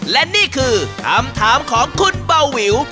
และนี่คือคำถามของคุณเบาวิว